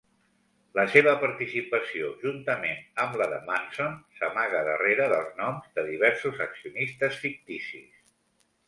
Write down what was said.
La seva participació juntament amb la de Manson s'amaga darrere dels noms de diversos accionistes ficticis.